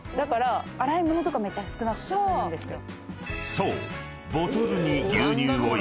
［そう］